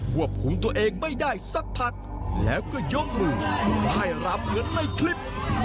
วบคุมตัวเองไม่ได้สักพักแล้วก็ยกมือไพร้ำเหมือนในคลิป